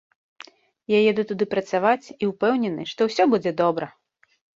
Я еду туды працаваць і ўпэўнены, што ўсё будзе добра!